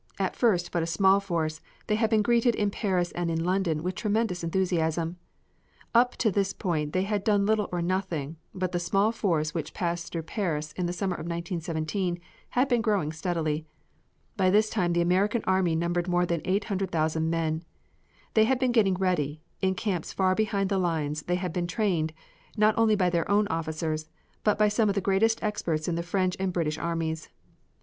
At first but a small force, they had been greeted in Paris and in London with tremendous enthusiasm. Up to this point they had done little or nothing, but the small force which passed through Paris in the summer of 1917 had been growing steadily. By this time the American army numbered more than eight hundred thousand men. They had been getting ready; in camps far behind the lines they had been trained, not only by their own officers, but by some of the greatest experts in the French and the British armies.